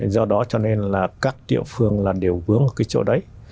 do đó cho nên là các tiệm phương là đều vướng ở cái chỗ đấy